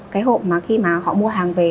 cái hộp mà khi mà họ mua hàng về